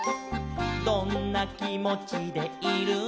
「どんなきもちでいるのかな」